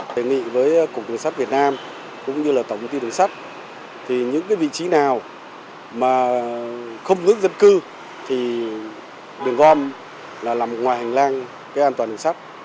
thế nghị với cục đường sắt việt nam cũng như là tổng công ty đường sắt thì những vị trí nào mà không ngưỡng dân cư thì đường gom là một ngoài hành lang cái an toàn đường sắt